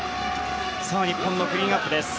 日本のクリーンアップです。